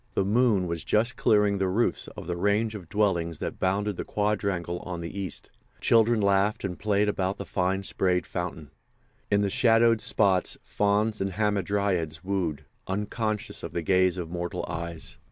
The moon was just clearing the roofs of the range of dwellings that bounded the quadrangle on the east. Children laughed and played about the fine sprayed fountain. In the shadowed spots fauns and hamadryads wooed, unconscious of the gaze of mortal eyes.